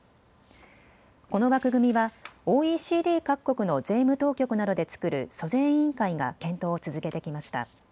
この枠組みはＯＥＣＤ各国の税務当局などで作る租税委員会が検討を続けてきました。